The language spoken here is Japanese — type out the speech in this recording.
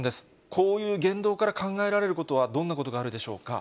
こういう言動から考えられることはどんなことがあるでしょうか。